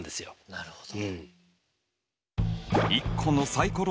なるほど。